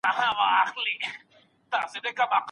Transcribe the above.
له خلګو سره د مرستي حس پیدا کړئ.